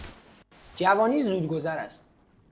جوانی زود گذر است.